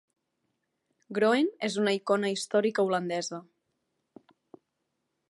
Groen és una icona històrica holandesa.